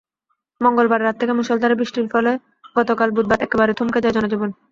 মঙ্গলবার রাত থেকে মুষলধারে বৃষ্টির ফলে গতকাল বুধবার একেবারে থমকে যায় জনজীবন।